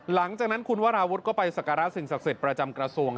หลังจากนั้นคุณวราวุฒิก็ไปสักการะสิ่งศักดิ์สิทธิ์ประจำกระทรวง